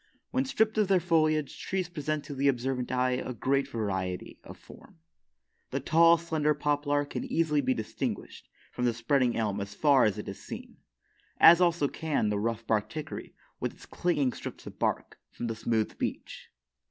When stripped of their foliage, trees present to the observant eye a great variety of form. The tall, slender poplar can easily be distinguished from the spreading elm as far as it is seen; as, also, can the rough barked hickory, with its clinging strips of bark, from the smooth beech.